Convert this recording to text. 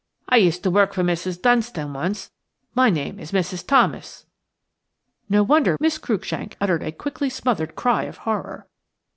"I used to work for Mrs. Dunstan once. My name is Mrs. Thomas." No wonder Miss Cruikshank uttered a quickly smothered cry of horror.